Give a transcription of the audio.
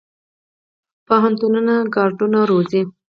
پوهنتونونه کادرونه روزي